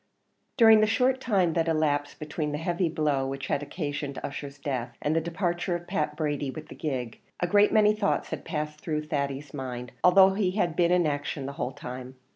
During the short time that elapsed between the heavy blow which had occasioned Ussher's death, and the departure of Pat Brady with the gig, a great many thoughts had passed through Thady's mind, although he had been in action the whole time.